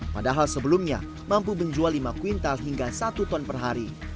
padahal sebelumnya mampu menjual lima kuintal hingga satu ton per hari